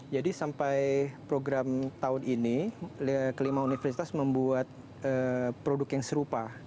jadi sampai program tahun ini kelima universitas membuat produk yang serupa